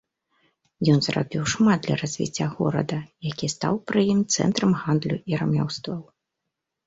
Ён зрабіў шмат для развіцця горада, які стаў пры ім цэнтрам гандлю і рамёстваў.